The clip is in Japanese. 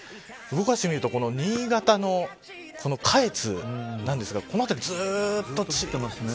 動かしてみると新潟のこの下越なんですがこの辺り、ずっと。